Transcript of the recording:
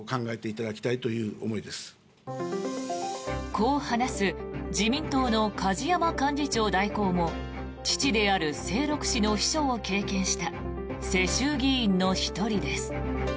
こう話す自民党の梶山幹事長代行も父である静六氏の秘書を経験した世襲議員の１人です。